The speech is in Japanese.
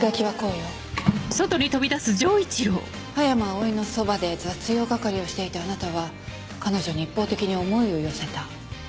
葉山葵のそばで雑用係をしていたあなたは彼女に一方的に思いを寄せた。